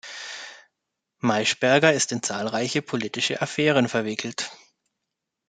Meischberger ist in zahlreiche politische Affären verwickelt.